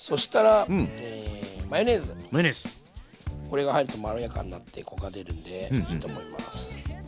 これが入るとまろやかになってコクが出るんでいいと思います。